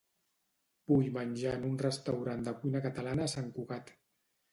Vull menjar en un restaurant de cuina catalana a Sant Cugat.